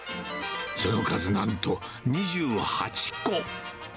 その数なんと２８個。